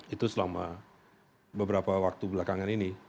itu selama beberapa waktu belakangan ini